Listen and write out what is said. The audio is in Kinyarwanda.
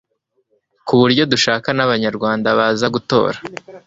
ku buryo dushaka n'abanyarwanda baza gutora